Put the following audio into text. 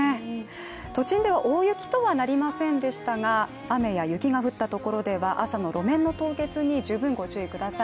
都心では大雪とはなりませんでしたが雨や雪が降ったところでは朝の路面の凍結に十分ご注意ください。